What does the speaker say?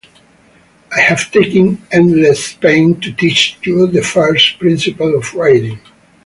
I have taken endless pain to teach you the first principles of writing.